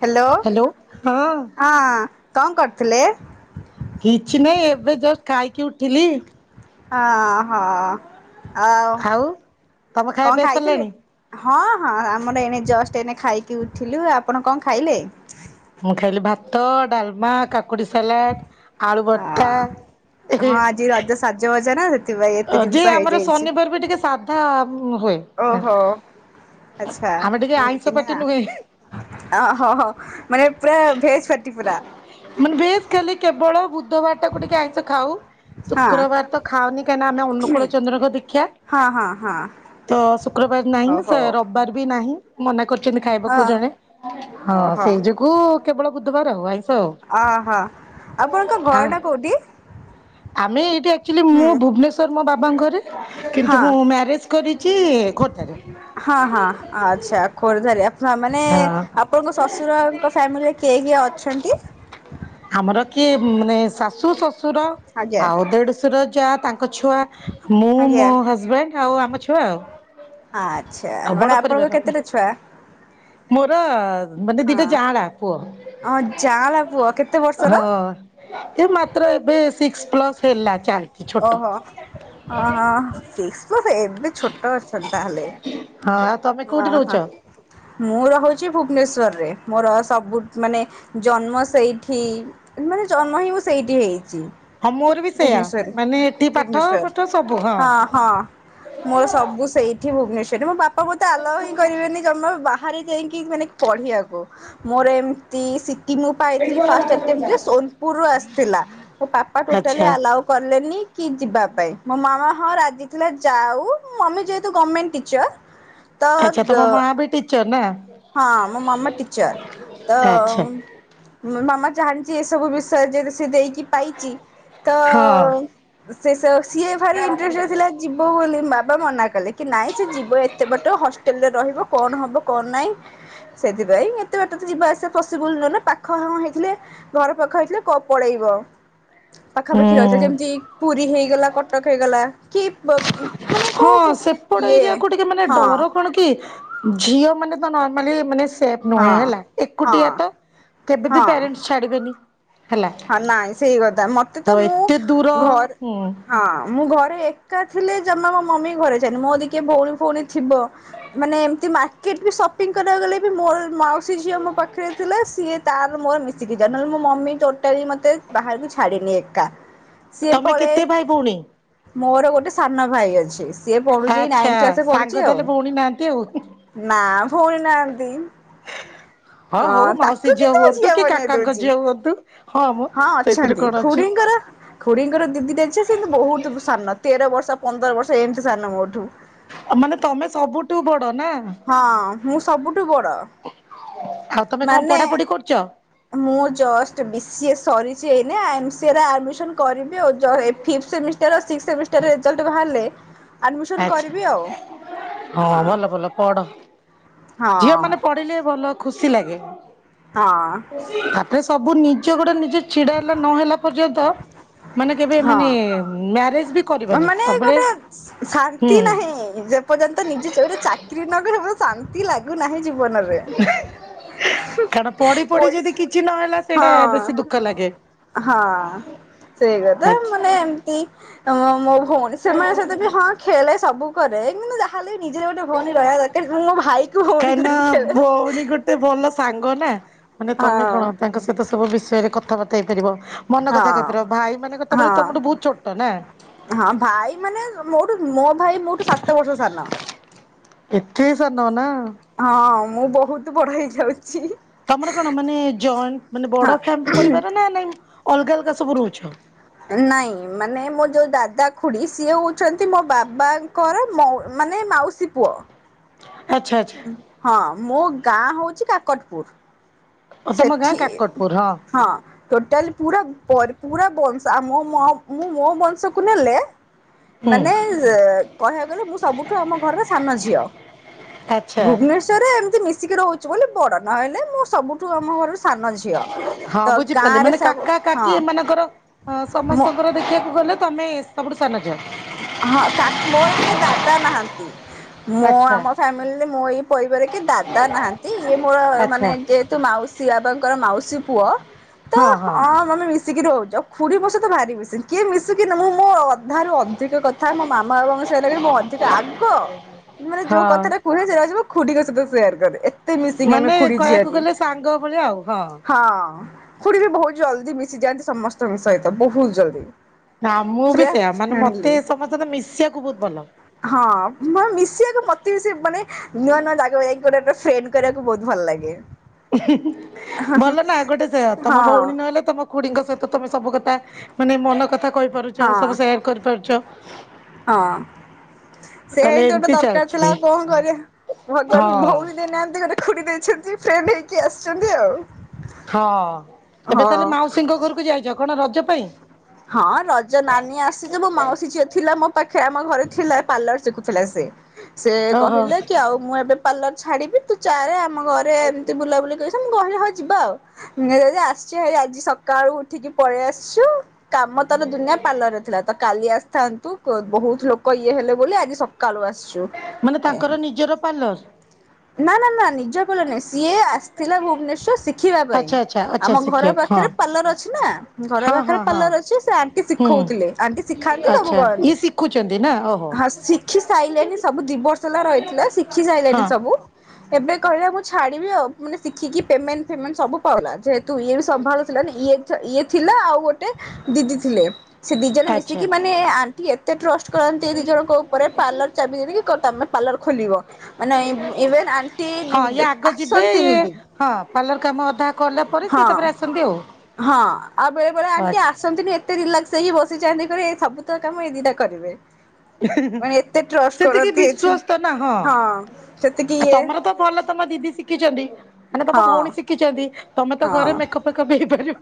Hello ହଁ କଣ କରୁଥିଲେ? କିଛି ନାହିଁ ଏବେ ତ ଖାଇକି ଉଠିଲି। ହଁ ହ ଆଉ ତମେ ଖାଇବା କଣ ପିଇ ଖାଇଥିଲେ? ସାରିଲାଣି ହଁ-ହଁ ଆମର ଏଣେ ଜଷ୍ଟ୍ ଏନେ ଖାଇକି ଉଠିଲୁ ଆପଣ କଣ ଖାଇଲେ? ମୁଁ ଖାଇଲି ଭାତ ଡାଲମା କା କୁଡି ସାଲାଡ଼୍ ଆଳୁ ଅ ଭର୍ତା। ସାଜବାଜା ନା ସେଥିପାଇଁ ଏତେ ଅ ଯେ ଜିନିଷ ଆମର ହେଇଯାଇଛି। ଶନିବାର୍ ବି ଟିକେ ସାଧା ହୁଏ। ଓହୋ ଆଚ୍ଛା ଆମେ ଟିକେ ଆଇଁଷ ଏମିତି ପାଟି ନା। ନୁହେଁ ଅ ହ-ହ ମାନେ ପୁରା ଭେଜ୍ ପାଟି ପୁରା। ମାନେ ଭେଜ୍ ଖାଲୀ କେବଳ ବୁଧବା ଟାକୁ ଟିକେ ଆଇଁଷ ଖାଉ ହଁ। ଶୁକ୍ରବାର୍ ତ ଖାଉନି କାହିଁକି ନା ଆମେ ଅନୁକୂଳ ଚନ୍ଦ୍ରଙ୍କ ଦିଖ୍ୟା। ହ- ହଁ-ହଁ। ତ ଶୁକ୍ରବାର୍ ନାହିଁ ସେ ରବିବାର୍ ବି ନାହିଁ। ମନା କରିଚନ୍ତି ଖାଇବାକୁ ହଁ ଜଣେ ହଁ ଓହୋ ସେଇ ଯୋଗୁ କେବଳ ବୁଧବାର୍ ଆଉ ଆଇଁଷ ଅ ଓହୋ। ଆପଣଙ୍କ ଆ ଘରଟା କୋଉଠି? ଆମେ ଏଇଠି ଆକଚୁଲି ହୁଁ ମୁଁ ଭୁବ୍ନେଶ ସର ମୋ ବାବାଙ୍କରେ କିନ୍ତୁ ହଁ ମୁଁ ମ୍ୟାରେଜ୍ କରିଚି ଖୋର୍ଦ୍ଧାରେ। ହଁ-ହଁ ଆଚ୍ଛା ଖୋର୍ଦ୍ଧାରେ ଫା ମାନେ ଆ ହଁ ଆପଣଙ୍କ ଶଶୁରଙ୍କ ଫ୍ୟାମିଲିରେ କିଏ-କିଏ ଅଛନ୍ତି? ଆମର କିଏ ମାନେ ଶାଶୁ ଶଶୁର ଆଜ୍ଞା ଆଉ ଦେଢଶୁର ଯା ତାଙ୍କ ଛୁଆ ମୁଁ ଆଜ୍ଞା ମୋ ହଜବେଣ୍ଡ୍ ଆଉ ଆମ ଛୁଆ ଆଉ। ଆଚ୍ଛା ଆଉ ବଡ ମାନେ ପରିବାର। ଆପଣଙ୍କ କେତେଟା ଛୁଆ? ମୋର ମାନେ ଦିଟା ଜାଁଳା ପୁଅ। ଅଁ ଜାଁଳା ପୁଅ କେ ହ ଏ ମାତ୍ର ଏବେ ସିକ୍ସ୍ ପ୍ଲସ୍ ହେଲା ଚା ଓହୋ ଓହୋ ସି‌କ୍ସି ପ୍ଲସ୍ ଏବେ ଛୋଟ ଅଛନ୍ତି ତାହେଲେ? ହଁ ଆ ହଁ - ହଁ। ମୁଁ ରହୁଛି ଭୁବନେଶ୍ଵରରେ ମୋର ସବୁ ମାନେ ଜନ୍ମ ସେଇଠି। ମାନେ ଜନ୍ମ ହିଁ ମୁଁ ସେଇଠି ହେଇଚି। ହଁ ମୋର ବି ସେୟା ମାନେ ଏଠି ପାଠ ଭୁବନେଶ୍ଵର ଫାଠ ସବୁ ହଁ। ହଁ ମୋର ସବୁ ସେଇଠି ଭୁବନେଶ୍ୱର୍ ରେ ମୋ ବାପା ମତେ ଆଲାଓ ହିଁ କରିବେନି କାରନ ବା ହାରେ ଯାଇକି ମାନେ ପଢିବାକୁ ମୋର ଏମତି ସି କି ମୁଁ ପାଇଥିଲି ଫାଷ୍ଟ୍ ଟେ ଅଟେମ୍ପ୍ ରେ ସୋନପୁର୍ ରୁୁ ଆସ୍ ଥିଲା ମୋ ପାପା ଟୋଟାଲି ଆଚ୍ଛା। ଆଲାଓ କଲେନି କି ଯିବା ପାଇଁ ମୋ ମାମା ହଁ ରାଜି ଥିଲା ଯାଉ ମମି ଯେହେତୁ ଗର୍ମେଣ୍ଟ୍ ଟିଚର୍। ତ ଆଚ୍ଛା ଦୋ ତମ ମା ବି ଟିଚର ନା ହଁ ମୋ ମାମା ଟିଚର୍ ତଅ ଆଚ୍ଛା ମୋ ମାମା ଚାହାଁଚି ଏସବୁ ବିଷୟ ଯେହେତୁ ସେ ଦେଇକି ପାଇଚି ତ ହଁ। ସେ ସ ସିଏ ଭାରି ଇନ୍ଟ୍ରେଷ୍ଟେଡ୍ ଥିଲା ଯିବ ବୋଲି ବାବା ମନା କଲେ କି ନାଇଁ ସି ଯିବ ଏ ତେ ବାଟ ହଷ୍ଟେଲ୍ ରେ ରହିବ କଣ ହବ କଣ ନାଇଁ ସେଥିପାଇଁ। ଏତେ ବାଟ ତ ଯିବା ଆସିବା ପସିବୁଲ୍ ନୁହ ନା ପାଖ ହଁ ହେଇଥିଲେ ଘର ପାଖ ହେଇଥିଲେ ପ ପଳେଇବ। ପାଖାପାଖି ରହିଥିଲେ ହୁଁ ଯେମ୍ ତି ପୁରୀ ହେଇଗଲା କଟକ୍ ହେଇଗଲା। କି ବ ମାନେ ହଁ କୋଉ ସେପଟ ଇଏ। ଏରିଆକୁ ଟିକେ ମାନେ ହଁ ଡର କଣ କି ଝିଅ ମାନେ ତ ନର୍ମାଲି ମାନେ ସେଫ୍ ନୁହେଁ ହଁ ହେଲା ହଁ ଏକୁଟିଆ ତ କେବେ ବି ହଁ ପ୍ୟାରେଣ୍ଟସ୍ ଛାଡିବେନି। ହେଲା ହଁ ନାଇଁ ସେଇ କଥା ମତେ ତ ମୁଁ ଏତେ ଦୂର ଘରେ ହୁଁ ହଁ ମୁଁ ଘରେ ଏକା ଥିଲେ ଜମା ମୋ ମମି ଘରେ ଛାଏନି ମୋର ଜଦି କିଏ ଭୋଉଣୀ ଫୋଉଣୀ ଥିବ। ମାନେ ଏମତି ମାର୍କେଟ ବି ସପିଂ କରିବାକୁ ଗଲେ ବି ମୋର ମା ଏହି ଝିଅ ମୋ ପାଖରେ ଥିଲା ସିଏ ତାର ମୋର ମିଶିକି ଯାଉ ନହେଲେ ମୋ ମମି ଟୋ ଟାଲି ମତେ ବାହାରକୁ ଛାଡିନି ଏକା ସିଏ ତମେ ପଳାଏ କେତେ ଭାଇ ଭଉଣୀ? ମୋର ଗୋଟେ ସାନ ଭାଇ ଅଛି ସିଏ ପଢୁଛି ଆଚ୍ଛା ନାଇଥ୍ କ୍ଲାସ୍ ‌ରେ ସାଙ୍ଗ ପଢୁଚି ଆଉ। ତାହେଲେ ଭଉଣୀ ନାହାନ୍ତି ଆଉ। ନା ଭଉଣୀ ନାହାନ୍ତି। ହଉ ହଁ ମାଉସୀ ତାକୁ କିନ୍ତୁ ମୋ ହୁଅନ୍ତୁ ଝିଅ କି ବନେଇ କାକାଙ୍କ ଦୋଉଛି। ଝିଅ ହୁଅନ୍ତୁ ମ ହଁ ସେଇଥିରେ ଅଛନ୍ତି କଣ ଅଛି। ଖୁୁଡି ଙ୍କର ଖୁଡ଼ିଙ୍କର ଦି ଦିଟା ଝିଅ ସେ ଏନ୍ତୁ ବୋହୁତ ସାନ ତେର ବର୍ଷ ପନ୍ଦର ବର୍ଷ ଏମିତି ସାନ ମୋଠୁ। ମାନେ ତମେ ସବୁଠୁ ବଡ ନା? ହଁ ମୁଁ ସବୁଠୁ ବଡ ଆଉ ତମେ କଣ ମାନେ ପଢାପଢି କରୁଛ? ମୁଁ ଜଷ୍ଟ ବି ସିଏ ସରିଛି ଏଇ ନା ଏମ ସି ଏ ରେ ଆଡମିସନ କରିବ [unintelligible] ଫି ସେମିଷ୍ଟର ସି ସେମିଷ୍ଟର ରିଜଲ୍ଟ ବାହାରିଲେ ଆଡମିସନ କରିବି ଆଉ ହଁ ଭଲ ଭଲ ପଢ। ହଁ ଝିଅ ମାନେ ପଢିଲେ ଭଲ ଖୁସି ଲାଗେ। ହଁ ତାପରେ ସବୁ ନିଜେ ଗୋଡେ ନିଜେ ଛିଡା ହେଲା ନ ହେଲା ପର୍ଯ୍ୟନ୍ତ ମାନେ କେବେ ମାନେ ହଁ ମ୍ୟାରେଜ ବି କରିବାନି ମାନେ ସବୁବେଳେ ଗୋଟେ ହୁଁ ଶାନ୍ତି ନାହିଁ ଯେ ଯେ ପର୍ଯ୍ୟନ୍ତ ନିଜେ ଯୋଉଠି ଚାକିରି ନ କରିବୁ ଶାନ୍ତି ଲାଗୁନାହିଁ ଜୀବନରେ। [inaudible] କାରଣ ପଢି ପଢି ଯଦି ପଇସା କିଛି ନହେଲା ସେଇଟା ହଁ ବେଶୀ ଦୁଃଖ ଲାଗେ। ସେଇଗଥା ମାନେ କି ତମ ମୋ ଭଉଣୀ ସେମାନେ ସହିତ ବି ହଁ ଖେଳେ ସବୁ କରେ କିନ୍ତୁ ଯା ହାଲି ନିଜର ଗୋଟେ ଭୋଉଣୀ ରହିବା ଦରକାର ମୁଁ ମୋ ଭାଇକୁ ଭଉଣୀ କରି ଖେଳେ। ଟେ ଭଲ ସାଙ୍ଗ ନା ମାନେ ତମେ ହଁ କଣ ତାଙ୍କ ସହିତ ସବୁ ବିଷୟରେ କଥାବାର୍ତା ହେଇ ପାରିବ। ହେ ମନ ହଁ କଥା କହିପାରିବ ଭାଇ ମାନେ ତା ପରେ ହଁ ତମଠୁ ବୋହୁତ ଛୋଟ ନା? ହଁ ଭାଇ ମାନେ ମୋଠୁ ମୋ ଭାଇ ମୋଠୁ ସାତ ବର୍ଷ ସାନ। ଏତେ ସାନ ନା? ହଁ ମୁଁ ବହୁତ ବଡ ହେଇ ଯାଉଛି। ତମର କଣ ମାନେ ଜଏଣ୍ଟ ମାନେ ହଁ ବଡ ଫ ପରିବାର ନା ନାଇଁ ଅଲଗା ଅଲଗା ସବୁ ରହୁଛ। ନାଇଁ ମାନେ ମୋ ଯୋଉ ଦାଦା ଖୁଡି ସିଏ ହଉଛନ୍ତି ମୋ ବାବାଙ୍କର ମାନେ ମାଉସୀ। ଶିପ ଆଚ୍ଛା ଆଚ୍ଛା। ହଁ ମୋ ଗାଁ ହଉଛି କାକଟପୁର। ତମ ଗାଁ ସେଠି କାକଟପୁର ହଁ ଟୋଟାଲି ପୁରା ପୁରା ବଂଶୋ ମୁ ମୋ ବଂଶକୁ ନେଲେ ହୁଁ ମାନେ କହିବାକୁ ଗଲେ ମୁଁ ସବୁଠୁ ଆମ ଘର ସାନ ଝିଅ। ଆଛା ଏମତି ମିଶିକି ରହୁଛିୁ ବୋଲି ବଡ ନହଲେ ମୁଁ ସବୁଠୁ ଆମ ଘ ହଁ ବୁଝିପାରିଲ ମାନେ ସବୁ କାକା ହଁ କାକି ଏମାନଙ୍କର ହଁ ମୁଁ ସମସ୍ତଙ୍କର ଦେଖିବାକୁ ଗଲେ ତମେ। ସବୁଠୁ ସାନ ଝିଅ। ହଁା ମୋର କେହି ଦାଦା ନାହାନ୍ତି। ମୁଁ ଆଚ୍ଛା ଆମ ଫ୍ୟାମିଲିରେ ମୁଁ ଏଇ ପରିବାର କି ଦାଦା ନାହାନ୍ତି ଇଏ ମୋର ଆଚ୍ଛା ମାନେ ଯେ ତୁ ମାଉସୀ ବାପଙ୍କର ମାଉସୀ ପୁଅ ତ ହଁ ହଁ ମ ଶିକି ରହୁଛ ଖୁୁଡି ମୋ ସହିତ ଭାରି ମିଶନି କିଏ ମିଶୁ କିି ମୁଁ ମ ଅଧିକ କଥା ମୋ ମାମା ବାବାଙ୍କ ସହି ମୁଁ ଅଧିକ ଆଗ ମାନେ ଯୋଉ ହଁ କଥାଟା କୁଛି [unintelligible] ଖୁଡିିକ ସହିତ ସେୟାର କରେ। ଏତେ ମିସିଙ୍ଗ ଆମେ ମାନେ ଖୁଡି କହିବାକୁ ଝିଆରୀ ଗଲେ ସାଙ୍ଗ ଭଳିଆ ଆଉ ହଁ। ଖୁଡି ବି ବହୁତ ଜଲଦି ମିଶିଯାଆନ୍ତି ସମସ୍ତଙ୍କ ସହିତ ବହୁତ ଜଲଦି। ନା ମୁଁ ବି ସେୟା ମାନେ ମତେ ସମସ୍ତେ ତ ମିଶିବାକୁ ବହୁତ ଭଲ। ହଁ ମିଶିବାକୁ ମତେ ସେ ମାନେ ନୂଆ ନୂଆ ଜାଗା ଯାଇକି ଗୋଟେ ଗୋଟେ ଫ୍ରେଣ୍ଡ କରିବାକୁ ବହୁତ ଭଲ ଲାଗେ। ଭଲ ନା ଗୋଟେ ସେ ତମ ହଁ ଭଉଣୀ ନହେଲେ ତମ ଖୁଡ଼ିଙ୍କ ସହିତ ତମେ ସବୁ କଥା ମାନେ ମନ କଥା କହିପାରୁଛ ହଁ ସବୁ ସେୟାର କରିପାରୁଛ। ହଁ ସେୟା ତାହେଲେ ହିଁ ତ ଗୋଟେ ଏମିତି ଦରକାର ଚାଲିଛି। ଥିଲା ଆଉ କଣ କରିବା ଭଗବାନ ହଁ ଭଉଣୀ ଦେ ଦେଇନାହାନ୍ତି ଗୋଟେ ଖୁଡ଼ି ଦେଇଛନ୍ତି ଫ୍ରେଣ୍ଡ ହେଇକି ଆସିଛନ୍ତି ଆଉ। ହଁ ଏବେ ହଁ। ତାହେଲେ ମାଉସୀଙ୍କ ଘରକୁ ଯାଇଛ କଣ ରଜ ପାଇଁ? ହଁ ରଜ ନାନୀ ଆସିଛି ମୋ ମାଉସୀ ଝିଅ ଥିଲା ମୋ ପାଖେ ଆମ ଘରେ ଥିଲା ପାର୍ଲର ଶିଖୁଥିଲା ସେ। ସେ ଓହୋ କହିଲେ କି ଆଉ ମୁଁ ଏବେ ପାର୍ଲର ଛାଡିବି ତୁ ଚାଲେ ଆମ ଘରେ ଏମତି ବୁଲାବୁଲି କରି ତ ମୁଁ କହିଲି ହଁ ଯିବା ଆଉ ଯଦି ଆସିଛି ହେଇ ଆଜି ସକାଳୁ ଉଠିକି ପଳେଇ ଆସିଛୁ। କାମ ତାର ଦୁନିଆ ପାର୍ଲରରେ ଥିଲା ତ କାଲି ଆସିଥାନ୍ତୁ ବହୁତ ଲୋକ ଇଏ ହେଲେ ବୋଲି ଆଜି ସକ୍ କାଳୁ ଆସିଛୁ ମାନେ ଏ ତାଙ୍କର ନିଜର ପାର୍ଲର ନା ନା ନା ନିଜ ପାର୍ଲର ନାଇଁ ସିଏ ଆସ୍ ଥିଲା ଭୁବନେଶ୍ଵର ଶିଖିବା ପାଇଁ ଆଚ୍ଛା ଆଚ୍ଛା ଆଚ୍ଛା ଆମ ଘର ଶିଖିବାକୁ ହଁ। ପାଖରେ ପାର୍ଲର ଅଛି ନା ଘର ହଁ ହଁ ପାଖରେ ହଁ ପାର୍ଲର ଅଛି ସେ ଆଣ୍ଟି ହୁଁ ଶିଖଉଥିଲେ ଆଣ୍ଟି ଶିଖାନ୍ତି ସବୁ ଆଚ୍ଛା ଇଏ କରନ୍ତି। ଶିଖୁଛନ୍ତି ନା ଓହୋ। ହଁ ଶିଖି ସାଇଲାଣି ସବୁ ଦି ବର୍ଷ ହେଲା ରହିଥିଲା ଶିଖି ସାଇଲାଣି ହଁ ସବୁ। ଏବେ କହିଲା ମୁଁ ଛାଡିବି ଆଉ ମାନେ ଶିଖିକି ପେମେଣ୍ଟ ଫେମେଣ୍ଟ ସବୁ ପଲା ଯେହେତୁ ତୁ ଇଏ ବି ସମ୍ଭାଳୁ ଥିଲା ନା ଇଏତ୍ ଇଏ ଥିଲା ଆଉ ଗୋଟେ ଦିଦି ଥିଲେ ସେ ଦି ଜଣ ଆଚ୍ଛା ମିଶିକି ମାନେ ମେ ଆଣ୍ଟି ଏତେ ଟ୍ରଷ୍ଟ କରନ୍ତି ଏ ଦି ଜଣଙ୍କ ଉପରେ। ପାର୍ଲର ଚାବି ଦେଇଦେଇକି କ ତମେ ପାର୍ଲର ଖୋଲିବ ମାନେ ଇଭ୍ ଇଭେନ୍ ଆନ୍ ହଁ ଇଏ ଆଗ ଯିବେ ଇଏ ହଁ ପାର୍ଲର କାମ ଅଧା କଲା ପରେ ସିଏ ହଁ। ତାପରେ ଆସନ୍ତି ଆଉ। ହଁ ଆଉ ବେଳେ ବେଳେ ଆଣ୍ଟି ଆଚ୍ଛା। ଆସନ୍ତିନି ଏତ୍ ଏତେ ରିଲାକ୍ସ ହେଇକି ବସିଯାନ୍ତି କହିବେ ସବୁ ତ କାମ ଏ ଦିଟା କରିବେ। ଉ ହୂ ହୁଁ ମାନେ ଏତେ ଟ୍ରଷ୍ଟ ସେତିକି କରନ୍ତି ଏଛି ବିଶ୍ଵସ୍ତ ନା ହଁ ସେତିକି ଆ ଇଏ ତମର ତ ଭଲ ତମ ଦିଦି ଶିଖିଛନ୍ତି ମାନେ ତମ ହଁ। ଭଉଣୀ ଶିଖିଛନ୍ତି ତମେ ତ ଘରେ ମେକପ୍ ଫେକପ୍ ହେଇପାରିବ।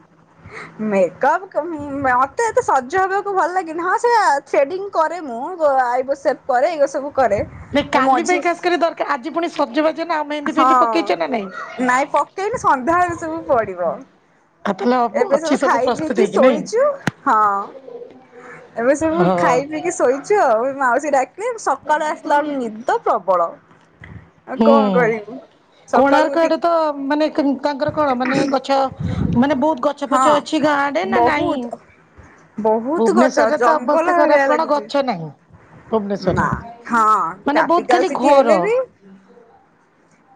ଆ ମେକଅପ୍ ମତେ ଏତେ ସଜ ହବାକୁ ଭଲ ଲାଗନି ହଁ ସେ ସେଡ଼ିଙ୍ଗ କରେ ମୁଁ ଆଇବୋ ସେଭ୍ କରେ ଏଇଗ ସବୁ କରେ। ନାଇଁ ଏ କାଲି ମଝି ପାଇଁ ଖାସ୍ କରି ଦରକାର ଆଜି ପୁଣି ସଜ ବାଜ ନା ଆଉ ମେହେନ୍ଦି ଫେହେନ୍ଦି ହଁ ପକେଇଛ ନା ନାଇଁ? ନାଇଁ ପକେଇନି ସନ୍ଧ୍ୟାବେଳକୁ ସବୁ ପଡିବ। ଆଉ ତାହେଲେ ଅବୁ ଏବେ ଅଛି ସବୁ ଖାଇ ପ୍ରସ୍ତୁତ ପିଇକି ହେଇକି ନାଇଁ ଶୋଇଛୁ ହଁ। ଏବେ ସବୁ ହଁ ଖାଇ ପିଇକି ଶୋଇ ଛୁ ଆଉ ମାଉସୀ ଡାକିଲେ ସକାଳୁ ଆସିଲା ବେଳୁ ନିଦ ପ୍ରବଳ। ଆଉ ହୁଁ କଣ କରିବୁ ସକାଳୁ କୋଣାର୍କ ଆଡ଼େ ଉଠିକି ତ ମାନେ କୁନ୍ ତାଙ୍କର କଣ ମାନେ ଗଛ ମାନେ ବହୁତ ଗ ହଁ ବହୁତ। ବହୁତ ଗଛ ଭୁବନେଶ୍ୱରରେ ତ ଜଙ୍ଗଲ ଅବସ୍ଥା ଖରାପ ଭଳିଆ କଣ ଲାଗୁଛି। ଗଛ ନାହିଁ। ନା ଭୁବନେଶ୍ଵରରେ ହଁ ମାନେ ବହୁତ କ୍ୟାପିଟାଲ ଖାଲି ସିଟି ଘର ହେଲେ ବି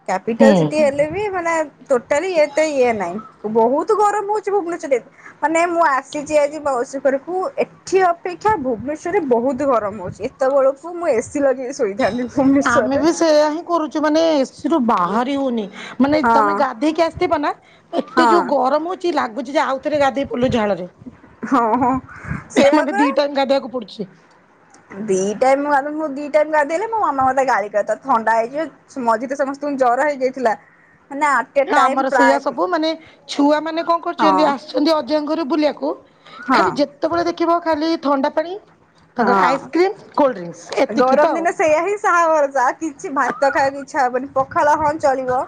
କ୍ୟାପିଟାଲ ହୁଁ। ସିଟି ହେଲେ ବି ମାନେ ଟୋଟାଲି ଏତେ ଇଏ ନାହିଁ ବହୁତ ଗରମ ହଉଛି ଭୁବନେଶ୍ଵରରେ। ମାନେ ମୁଁ ଆସିଛି ଆଜି ମାଉସୀ ଘରକୁୁ ଏଠି ଅପେକ୍ଷା ଭୁବନେଶ୍ଵରରେ ବହୁତ ଗରମ ହଉଛି ଏତ୍ ଏତେ ବେଳକୁ ମୁଁ ଏସି ଲଗେଇକି ସୋ ଆମେ ବି ସେଇଆ ହିଁ କରୁଛୁ ମାନେ ଏସ୍ ଏସି ରୁ ବାହାରି ହଉନି ମାନେ ହଁ ତମେ ଗାଧେଇକି ଆସିଥିବ ନା ଏତେ ଯୋଉ ହଁ ଗରମ ହଉ ଛି ଲାଗୁଛି ଯେ ଆଉଥରେ ଗାଧୋଇ ପଡ଼ିଲୁ ଝାଳରେ। ହଁ ହଁ ହୁ ସେଇଆ ମତେ ଦି ପରା ଟାଇମ୍ ଗାଧେଇବାକୁ ପଡୁଛି ଯେ। ଦି ଟାଇମ ମୁଁ ଦି ଟାଇମ ଗାଧେଇଲେ ମୋ ମାମା ମତେ ଗାଳି କରିଦବ ଥଣ୍ଡା ହେଇଯିବ। ମଝିରେ ସମସ୍ତଙ୍କୁ ଜର ହେଇଯାଇଥିଲା ମାନେ ଆ ନା ଆମର ସେଇଆ ସବୁ ମାନେ ଛୁଆ ମାନେ କଣ ହଁ କରୁଛନ୍ତି ଆସିଛନ୍ତି ଅଜାଙ୍କ ଘରୁ ବୁଲିବାକୁ ହଁ। ଖାଲି ଯେତେବେଳେ ଦେଖିବ ଖାଲି ଥଣ୍ଡା ପାଣି ତାଙ୍କର ହଁ ଆଇସ୍କ୍ରିମ୍ କୋଲ୍ଡଡିଙ୍କସ୍ ଏତିକି ତ ଆଉ। ଶାହା ଭରସା କିିଛି ଭାତ ଖାଇବାକୁ ଇଚ୍ଛା ହବନି। ପଖାଳ ହଁ ଚଳିବ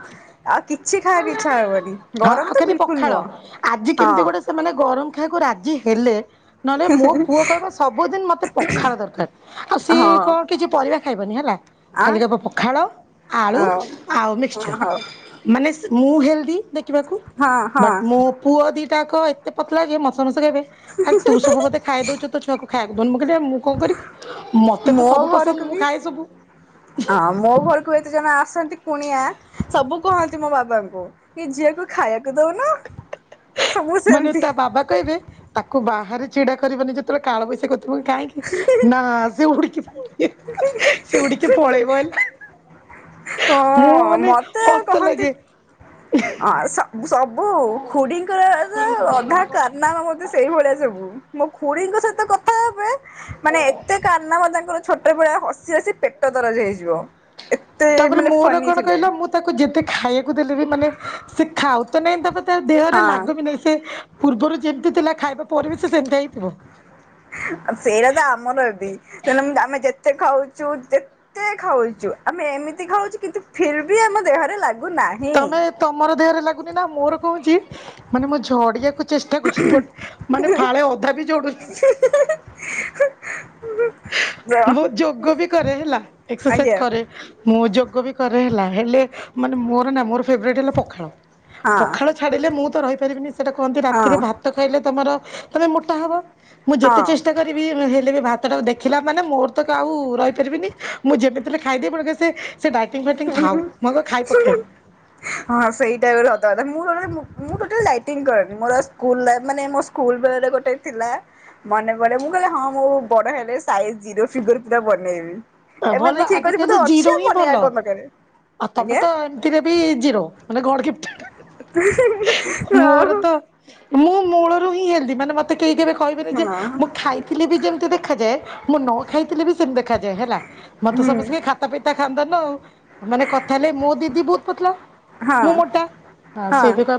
ଆଉ କିଛି ଖାଇବାକୁ ଇଚ୍ଛା ହବନି ହଁ ଆଉ ଗରମ ତ ଖାଲି ବିଲକୁଲ ପଖାଳ ନୁହଁ। ଆଜି କେମିତି ଗୋଟେ ହଁ ସେମାନେ ଗରମ ଖାଇବାକୁ ରାଜି ହେଲେ। ନହେଲେ ମୋ ପୁଅ କହିବା ସବୁଦିନ ମତେ ପଖାଳ ଦରକାର ଆଉ ସିଏ ହଁ କଣ କିଛି ପରିବା ଖାଇବନି ହେଲା ଆ ଖାଲି ପଖାଳ ଆଳୁ ହଉ ଆଉ ମିକ୍ସ ହଁ ମାନେ ମୁଁ ହେଲ୍ଦି ଦେଖିବାକୁ ହଁ ହଁ ବଟ ମୋ ପୁଅ ଦିଟାକ ଏତେ ପତଲା ଲାଗେ ମୋତେ ସମସ୍ତେ କହିବେ ଆରେ ତୁ ସବୁ ବୋଧେ ଖାଇଦଉଛୁ ତୋ ଛୁଆକୁ ଖାଇବାକୁ ଦେଉନୁ ମୁ କହିଲି ମୁଁ କଣ କରିବି ମତେ ତ ମୋ ସବୁ ପସନ୍ଦ ଘରକୁ ମୁଁ ବି ଖାଏ ସବୁ ହଁ ମୋ ଘରକୁ ଏତେ ଜଣ ଆସନ୍ତି କୁଣିଆ ସବୁ କୁହନ୍ତି ମୋ ବାବାଙ୍କୁ ଏ ଝିଅକୁ ଖାଇବାକୁ ଦଉନ ମାନେ ତା ବାବା କହିବେ ତାକୁ ବାହାରେ ଛିଡା କରିବନି ଯେତେବେଳେ କାଳବୈସା କ ତ କାହିଁକି ନା ସେଉଡ଼ିକି ପଳେଇବ ସେଉଡ଼ିକି ପଳେଇବ ହେଲେ ମୁଁ ହଁ ମାନେ ମତେ ହସ ଲାଗେ ଆଉ ସ ସବୁ ଖୁଡିଙ୍କର ଅଧା କାର ନମା ସେଇଭଳିଆ ସବୁ ମୋ ଖୁଡିଙ୍କ ସହିତ କଥା ହବେ ମାନେ ଏତେ କାରନାମା ତାଙ୍କର ଛୋଟ ଭଳିଆ ହସି ହସି ପେଟ ଦରଜ ହେଇଯିବ ଏତେ ତାପରେ ମାନେ ମୋର ଫନି କଣ ଥିଲେ କହିଲ ମୁଁ ତାକୁ ଯେତେ ଖାଇବାକୁ ଦେଲେ ବି ମାନେ ସେ ଖାଉ ତ ନାଇଁ ତାପ ତା ଦେହରେ ହଁ ଲାଗ ବି ନାହିଁ ସେ ପୂର୍ବରୁ ଯେମ୍ତି ଥିଲା ଖାଇବା ପରେ ବି ସେ ସେମିତିଆ ହେଇଥିବ। ସେଇଟା ତ ଆମର ବି [unintelligible] ତ ଆମେ ଯେତେ ଖାଉଚୁ ଯେ କେତେ ଖାଉଚୁ ଆମେ ଏମିତି ଖାଉଚୁ କିନ୍ତୁ ଫର୍ ବି ଆମ ଦେହରେ ଲାଗୁନାହିଁ। ତମେ ତମର ଦେହରେ ଲାଗୁନି ନା ମୋର କହୁଚି ମାନେ ମୁଁ ଝଡିଆକୁ ଚେଷ୍ଟା କରୁ ବଟ୍ ମାନେ ଫାଳେ ଅଧା ବି ଜୋଡୁନି। ହୁଁ। ମୁଁ ଯୋଗ ବି କରେ ହେଲା ଏକ୍ସରସାଇଜ ଆଜ୍ଞା କରେ। ମୁଁ ଯୋଗ ବି କରେ ହେଲା ହେଲେ ମାନେ ମୋର ନା ମୋର ଫେବରେଟ ହେଲା ପଖାଳ। ହଁ ପଖାଳ ଛାଡ଼ିଲେ ମୁଁ ତ ରହିପାରିବିନି। ସେଇଟା କୁହନ୍ତି ରାତିରେ ହଁ ଭାତ ଖାଇଲେ ତମର ତୁମେ ମୋଟା ହେବ। ମୁଁ ଯେତେ ଚେଷ୍ଟା ହଁ। କରିବି ହେଲେ ବି ଭାତ୍ ସେଟାକୁ ଦେଖିଲା ମାନେ ମୋର ତ ଆଉ ରହିପାରିବିନି ମୁଁ ଯେମିତିଲେ ଖାଇଦିବି [unintelligible] ସେ ସେ ଡାଇଟିଙ୍ଗ ଫାଇଟିଙ୍ଗ ଥାଉ ମୁଁ ଖାଇ ପଖେ। ହୁଁ ହଁ ସେଇଟା ବି ଗୋଟେ ସତ କଥା ମୁଁ [unintelligible] ମୁଁ ଟୋଟାଲି ଡାଇଟିଙ୍ଗ କରେନି ମୋର ସ୍କୁଲ ଲାଇଟ୍ ମାନେ ମୋ ସ୍କୁଲ ବେଳରେ ଗୋଟେ ଥିଲା ମନେ ପଡେ ମୁଁ କହିଲି ହଁ ମୁଁ ବଡ ହେଲେ ସାଇଜ ଜିରୋ ଫିଗର ପୁରା ବନେଇବି। ଏବେ ଭଲ ଦେଖି କଉଚି ବୋଧେ ଆଜିକାଲି ଅଛି ଜିରୋ ଆ ହିଁ ଭଲ ମନେଇ କଁ ଦର୍ ଆଉ ତମେ ତ ଏମିତିରେ ବି ଜିରୋ ମାନେ ଗଡ଼ ଗିଭଟେଡ୍। ହଁ! ମୁଁ ମୂଳରୁ ହିଁ ହେଲ୍ଦି ମାନେ ମତେ କେହି କେବେ କହିବେନି ଯେ ହଁ ମୁଁ ଖାଇ ଥିଲେ ବି ଯେମିତି ଦେଖାଯାଏ ମୁଁ ନ ଖାଇଥିଲେ ବି ସେମିତି ଦେଖାଯାଏ ହେଲା ମତେ ହୁଁ ସମସ୍ତେ ଖା ଖତା ପିତା ଖାନ୍ତାନା ଆଉ ମାନେ କଥା ହେଲେ ମୋ ଦିଦି ବହୁତ ପତଲା। ମୁଁ ହଁ। ମୋଟା ସେ [unintelligible] ହ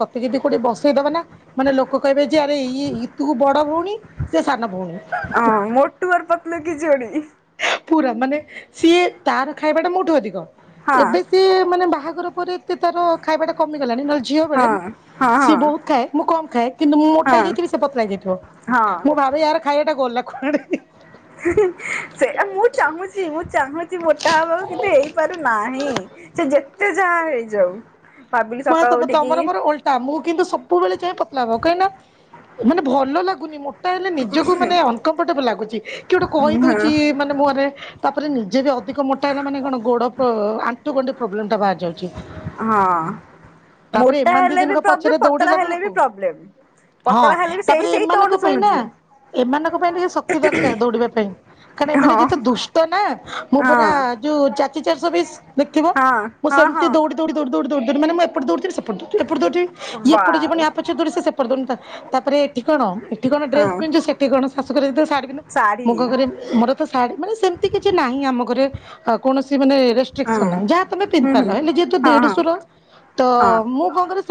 ତତେ ଯଦି କୋଉଟେ ବସେଇଦବା ନା ମାନେ ଲୋକ କହିବେ ଯେ ଆରେ ଇ ଇତୁ ବଡ ଭଉଣୀ। ସେ ସାନ ଭଉଣୀ। ହଁ ମୋଟୁ ଅର୍ ପତୁଲ୍ କି ଯୋଡି। ପୁରା ମାନେ ସିଏ ତାର ଖାଇବା ଟା ମୋଠୁ ଅଧିକ ଏବେ ସେ ମାନେ ବାହାଘର ପରେ ଏତେ ତାର ଖାଇବାଟା କମିଗଲାଣି ନହେଲେ ଝିଅ ହଁ ବେଳେ ହଁ ହଁ ସିଏ ବହୁତ ଖାଏ ମୁଁ କମ ଖାଏ କିନ୍ତୁ ମୁଁ ମୋଟା ହଁ ଯାଇଥିବି ସେ ପତଳା ଯାଇଥିବ। ହଁ ମୁଁ ଭାବେ ୟାର ଖାଇଟା ଗଲା କୁଆଡେ। ସେ ମୁଁ ଚାହୁଁଚି ମୁଁ ଚାହୁଁଚି ମୋଟା ହବାକୁ କିନ୍ତୁ ହେଇପାରୁନାହିଁ। ସେ ଯେତେ ଯାହା ହେଇଯାଉ। ଭାବିଲି ହ ସକାଳୁ ତପ ଉଠିକି ତମର ମୋର ଓଲ୍ କା ଆମକୁ କିନ୍ତୁ ସବୁବେଳେ ଯାଇ ପତଲା ହବାକୁ କାହିଁକିନା ମାନେ ଭଲ ଲାଗୁନି ମୋଟ୍ ତାହେଲେ ନିଜକୁ ମାନେ ଅନକମ୍ଫର୍ଟେବୁଲ ଲାଗୁଚି କି ଗୋଟେ କହି ହଁ ଦଉଚି ମାନ୍ ମୁହଁରେ ତାପରେ ନିଜେ ବି ଅଧିକ ମୋଟା ହେଲା ମାନେ କଣ ଗୋଡ ଫ ଆଣ୍ଠୁ ଗଣ୍ଠି ପ୍ରୋବ୍ଲେମ୍ଟା ବାହାରି ଯାଉଚି। ହଁ ମୋଟା ଏମାନେ ଦି ହେଲେ ବି ଜଣଙ୍କ ପଛରେ ପ୍ରବ୍ଲେମ୍ ପତଳା ଦୌଡିଲା ହେଲେ ବି ବେଳକୁ ପ୍ରବ୍ଲୋମ୍। ହଁ ପତଳା ହେଲେ ବି ତାପରେ ସେଇ-ସେଇ ଏମାନଙ୍କ ଟୋନ୍ ପାଇଁ ନା ଶୁଣୁଚୁ। ଏମାନଙ୍କ ପାଇଁ ଟିକେ ଶକ୍ତି ଦରକାର ଦୌଡ଼ିବା ପାଇଁ କାରଣ ଏମାନେ ହଁ ଯେତେ ଦୁଷ୍ଟ ନା ମୁଁ ହଁ ପୁରା ଯୋଉ ଚାଚି ଚାରଷ ବିସ୍ ଦେଖିବ ହଁ ମୁଁ ହଁ ସେମ୍ତି ହଁ ଦୌଉଡି ଦଉଡି ଦଉଡି ଦଉଡି ଦଉଡି ମାନେ ମୁଁ ଏପଟେ ଦୈଉଳି ଥିବି ସେପଟେ ଦୈଉଳି ଥିବି ଏପଟେ ଦୈଉଳି ଥିବି ଇଏ ପଟେ ଯିବନି ବାସ୍ ଆପାଟ୍ [unintelligible] ତାପରେ ଏଠି କଣ ଏଠି କଣ ହଁ ଡ୍ରେସ୍ ପିନ୍ଧୁ ସେଠି କଣ ଶାଶୁ [unintelligible] ଶାଢ଼ୀ ପିନ୍ଧୁ ଶାଢ଼ୀ ମୁଗ ଘରେ ମୋର ତ ଶାଢ଼ୀ ମାନେ ସେମ୍ତି କିଛି ନାହିଁ ଆମ ଘରେ ହଁ କୌଣସି ମାନେ ରିସ୍ ହଁ କିଛି ନିହି ଯାହା ତମେ ପିନ୍ଧି ହୁଁ ହୁଁ ପାରିଲ ହେଲେ ଯେହେତୁ ହଁ ହଁ ଦେଢ଼ଶୁର ତ ହଁ ମୁଁ କଁ କରେ